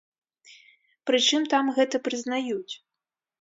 Прычым там гэта прызнаюць.